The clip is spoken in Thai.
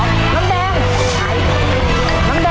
ใส่ท้อนรอเลยลูก